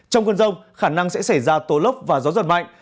trong cơn rông khả năng sẽ xảy ra tố lốc và gió giật mạnh